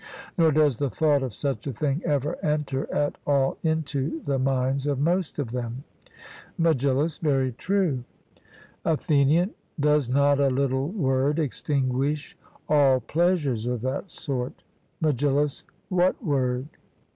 Nor does the thought of such a thing ever enter at all into the minds of most of them. MEGILLUS: Very true. ATHENIAN: Does not a little word extinguish all pleasures of that sort? MEGILLUS: What word?